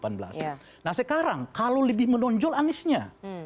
nah sekarang kalau lebih menonjol aniesnya